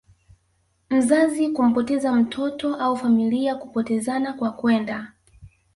mzazi kumpoteza mtoto au familia kupotezana kwa kwenda